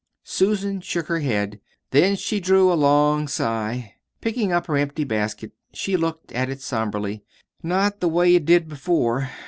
Susan shook her head. Then she drew a long sigh. Picking up her empty basket she looked at it somberly. "Not the way it did before.